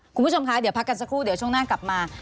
คุณผู้ชมคะเดี๋ยวพักกันสักครู่เดี๋ยวช่วงหน้ากลับมา